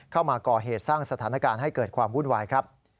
เข้ามาก่อเหตุสร้างสถานการณ์ให้เกิดความวุ่นวายครับ